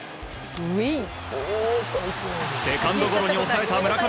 セカンドゴロに抑えた村上。